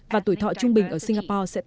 và tuổi thọ trung bình ở singapore